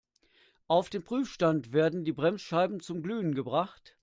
Auf dem Prüfstand werden die Bremsscheiben zum Glühen gebracht.